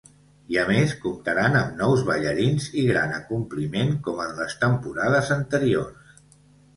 I a més comptaran amb nous ballarins i gran acompliment com en les temporades anteriors.